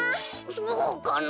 そうかな。